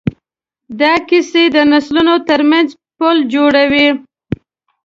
دا کیسې د نسلونو ترمنځ پل جوړوي.